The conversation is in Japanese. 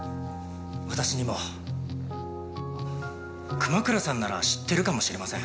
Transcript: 熊倉さんなら知ってるかもしれません。